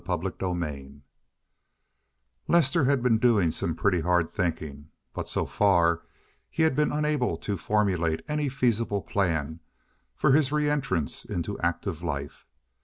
CHAPTER XLVIII Lester had been doing some pretty hard thinking, but so far he had been unable to formulate any feasible plan for his re entrance into active life.